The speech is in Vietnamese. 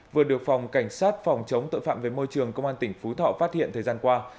vừa được phòng cảnh sát phòng chống tội phạm về môi trường công an tỉnh phú thọ phát hiện thời gian qua